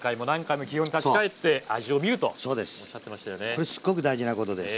これすっごく大事なことです。